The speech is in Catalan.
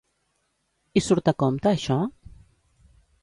I surt a compte, això?